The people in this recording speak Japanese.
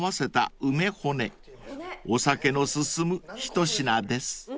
［お酒の進む一品です］